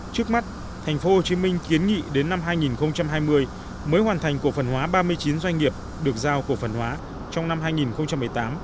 trước mắt tp hcm kiến nghị đến năm hai nghìn hai mươi mới hoàn thành cổ phần hóa ba mươi chín doanh nghiệp được giao cổ phần hóa trong năm hai nghìn một mươi tám